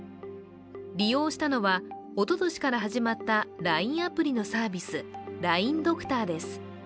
利用したのは、おととしから始まったＬＩＮＥアプリのサービス、ＬＩＮＥドクターです。